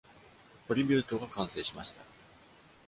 トリビュートが完成しました。